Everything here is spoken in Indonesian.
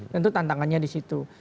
tentu tantangannya di situ